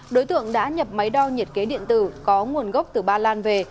đối tượng đã nhập máy đo nhiệt kế điện tử có nguồn gốc từ ba lan về